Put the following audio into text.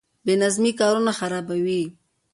بې نظمي کارونه خرابوي